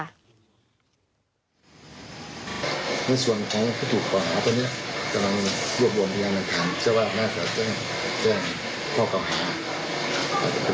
ในส่วนของผู้ถูกกล่าวหาตอนเนี้ยกำลังรวบวงพยาบาลทางเจ้าว่าน่าจะแจ้งแจ้งพ่อเก่าหา